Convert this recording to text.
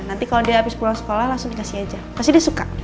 nanti kalau dia habis pulang sekolah langsung dikasih aja pasti dia suka